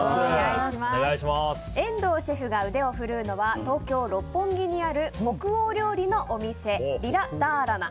遠藤シェフが腕を振るうのは東京・六本木にある北欧料理のお店リラ・ダーラナ。